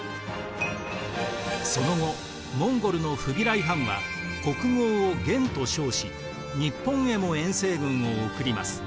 その後モンゴルのフビライ・ハンは国号を元と称し日本へも遠征軍を送ります。